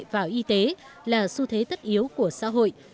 vào y tế là xu thế tất yếu của xã hội